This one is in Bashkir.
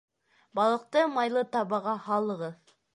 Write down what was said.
Балыҡты майлы табаға һалығыҙ